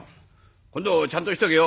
今度はちゃんとしとけよ」。